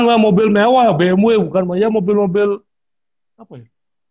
bukan mobil mewah ya bmw bukan ya mobil mobil apa ya